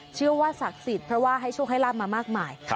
ชื่อว่าศักดิ์สิทธิ์เพราะว่าให้ช่วงให้รับมามากมาย